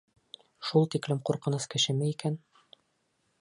Шул тиклем ҡурҡыныс кешеме икән?